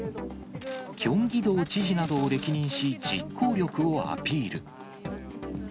キョンギ道知事などを歴任し、実行力をアピール。